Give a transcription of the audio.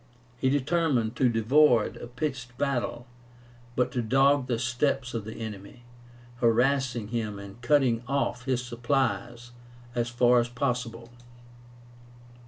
He determined to avoid a pitched battle, but to dog the steps of the enemy, harassing him and cutting off his supplies as far as possible.